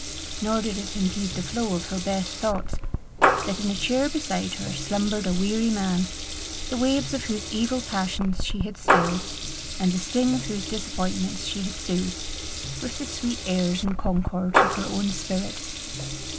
Nor did it impede the flow of her best thoughts, that in a chair beside her slumbered a weary man, the waves of whose evil passions she had stilled, and the sting of whose disappointments she had soothed, with the sweet airs and concords of her own spirit.